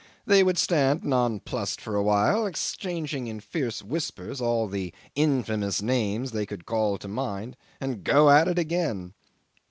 They would stand nonplussed for a while, exchanging in fierce whispers all the infamous names they could call to mind, and go at it again.